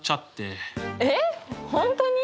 えっ本当に？